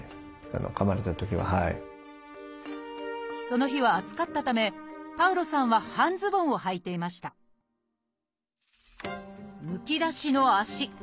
その日は暑かったためパウロさんは半ズボンをはいていましたむき出しの脚。